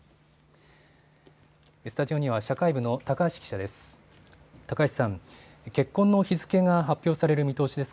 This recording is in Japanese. スタジオには社会部の高橋記者です。